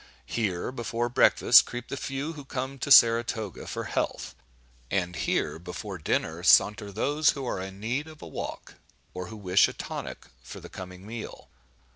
Here, before breakfast, creep the few who come to Saratoga for health; and here, before dinner, saunter those who are in need of a walk, or who wish a tonic for the coming meal.